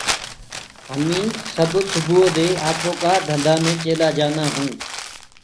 همي سب سُبوُئو دي آپو آپو ڪآ ڌندآ مي چيلآ جانٚدآ هونٚ